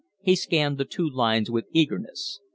He scanned the two lines with eagerness.